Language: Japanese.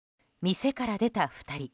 店から出た２人。